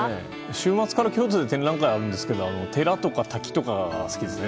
週末から京都で展覧会があるんですが寺とか滝とかが好きですね。